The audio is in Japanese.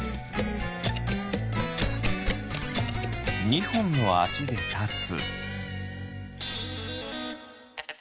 ２ほんのあしでたつ。